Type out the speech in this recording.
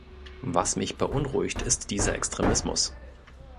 Was mich beunruhigt, ist dieser Extremismus.